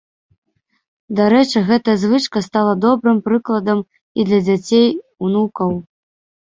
Дарэчы, гэтая звычка стала добрым прыкладам і для дзяцей, унукаў.